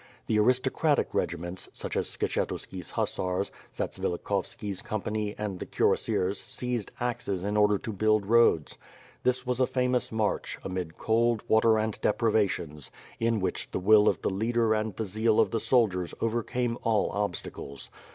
The aristocratic regiments, such as Skshetuski's hussars, Zats vilikhovski's company and the Cuira ssiers seized axes in order to build roads. This was a famous march, amid cold, water and deprivations; in which the will of the leader and the zeal of th e soldiers overcame all obstacles.